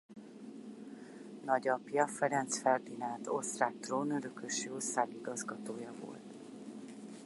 Nagyapja Ferenc Ferdinánd osztrák trónörökös jószágigazgatója volt.